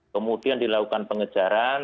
kemudian dilakukan pengejaran